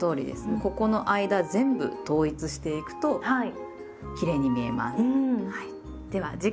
ここの間全部統一していくときれいに見えます。